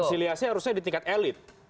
rekonsiliasi harusnya di tingkat elit